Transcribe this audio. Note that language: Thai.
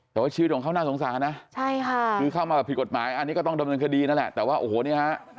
แต่ว่าชีวิตของเขาน่าสงสารนะใช่ค่ะคือเข้ามาแบบผิดกฎหมายอันนี้ก็ต้องดำเนินคดีนั่นแหละแต่ว่าโอ้โหเนี่ยฮะ